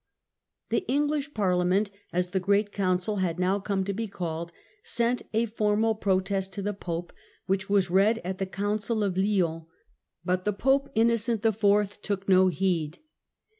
The English Parliament, as the great council had now come to be called, sent a formal protest to the pope, which was read at the Council of Lyons, but the Pope Innocent IV. took no heed.